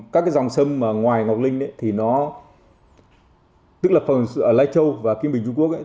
các dòng sâm ngoài ngọc linh tức là phần ở lai châu và kim bình trung quốc